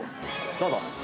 どうぞ。